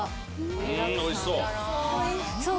おいしそう！